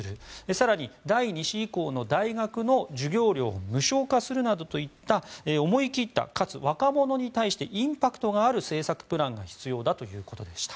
更に第２子以降の大学の授業料を無償化するなどといった思い切った、かつ若者に対してインパクトのある政策プランが必要だということでした。